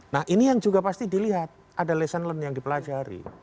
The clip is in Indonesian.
nah ini yang juga pasti dilihat ada lesson learned yang dipelajari